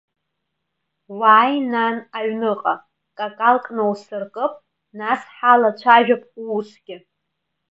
Уааи, нан, аҩныҟа, какалк ноусыркып, нас ҳалацәажәап уусгьы.